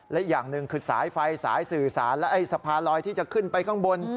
และอย่างหนึ่งคือสายไฟสายสื่อสารและสะพานลอยที่จะขึ้นไปข้างบน